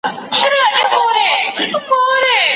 شاګرد څېړونکی باید په پرله پسې ډول کار وکړي.